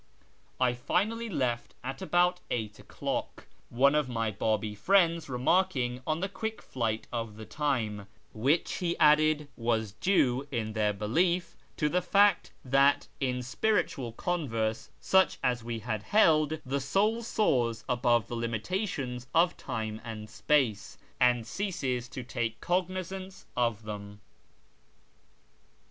I finally left at about eight o'clock, one of my B;ibi friends remarking on the quick flight of the time, which, he added, was due, in their belief, to the fact that in spiritual converse such as we had held the soul soars above the limitations of Time and Space, and ceases to take cognisance of them.